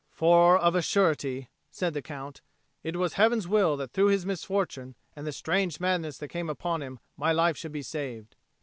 "For of a surety," said the Count, "it was Heaven's will that through his misfortune and the strange madness that came upon him my life should be saved."